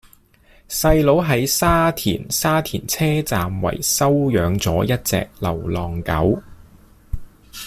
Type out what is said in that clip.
細佬喺沙田沙田車站圍收養左一隻流浪狗